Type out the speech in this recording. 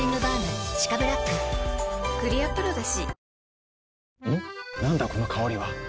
クリアプロだＣ。